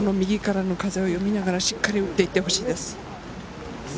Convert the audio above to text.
右からの風を読みながら、しっかり打っていってほしいです。